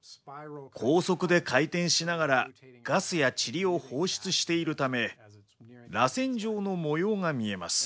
高速で回転しながらガスやちりを放出しているためらせん状の模様が見えます。